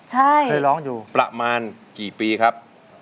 ใช่ประมาณกี่ปีครับ